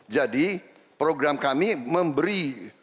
jadi program kami memberi